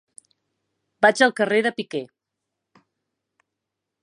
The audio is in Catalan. Vaig al carrer de Piquer.